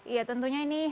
iya tentunya ini